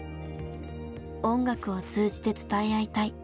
音楽を通じて伝え合いたい。